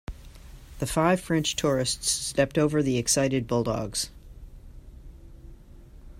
The five French tourists stepped over the excited bulldogs.